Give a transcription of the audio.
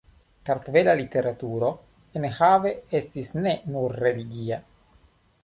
Kartvela literaturo enhave estis ne nur religia.